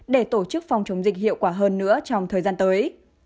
để tổ chức phòng chống dịch hiệu quả hơn nữa trong thời gian tới